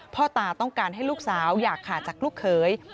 พ่อตาต้องการให้ลูกสาวอยากขาดจากลูกเขย